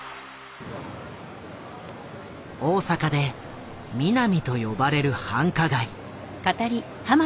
大阪でミナミと呼ばれる繁華街。